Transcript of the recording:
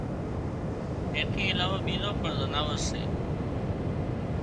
اين ٿِي علاوه ٻيزان پڻ زناورسي